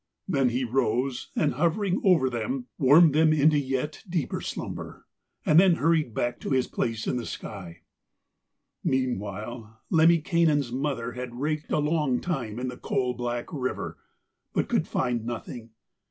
Then he rose, and hovering over them, warmed them into a yet deeper slumber, and then hurried back to his place in the sky. Meanwhile Lemminkainen's mother had raked a long time in the coal black river, but could find nothing.